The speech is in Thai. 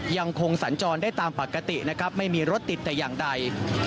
สัญจรได้ตามปกตินะครับไม่มีรถติดแต่อย่างใด